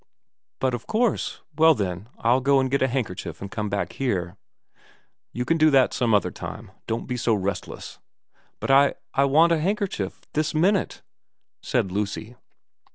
'' But of course. Well, then, I'll go and get a hand kerchief and come back here.' 'You can do that some other time. Don't be so restless.' VERA 255 ' But I I want a handkerchief this minute/ said Lucy.